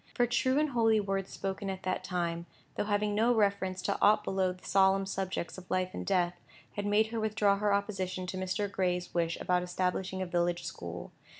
For true and holy words spoken at that time, though having no reference to aught below the solemn subjects of life and death, had made her withdraw her opposition to Mr. Gray's wish about establishing a village school.